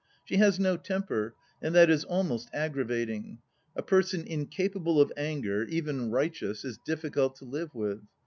She has no temper, and that is almost aggravating. A person incapable of anger, even righteous, is difficult to live with.